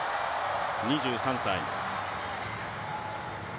２３歳。